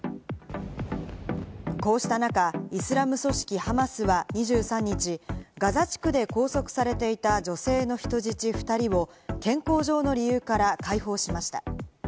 こうした中、イスラム組織ハマスは２３日、ガザ地区で拘束されていた女性の人質２人を健康上の理由から解放しました。